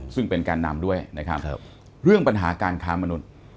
ซึ่งเป็นแกนนำด้วยนะครับเรื่องปัญหาการค้ามนุษย์